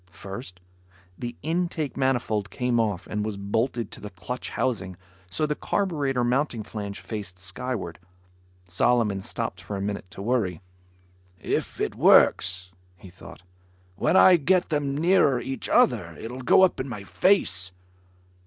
First, the intake manifold came off and was bolted to the clutch housing so the carburetor mounting flange faced skyward. Solomon stopped for a minute to worry. "If it works," he thought, "when I get them nearer each other, it'll go up in my face."